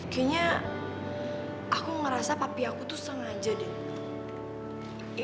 kayaknya aku ngerasa papi aku tuh sengaja deh